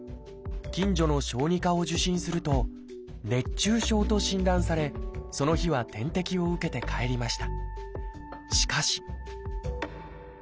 近所の小児科を受診すると「熱中症」と診断されその日は点滴を受けて帰りました。